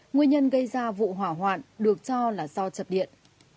nguyên nhân gây ra vụ hỏa hoạn được cho là do chập điện